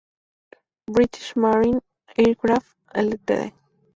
British Marine Aircraft Ltd.